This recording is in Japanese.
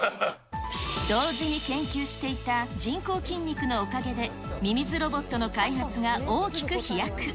同時に研究していた人工筋肉のおかげでミミズロボットの開発が大きく飛躍。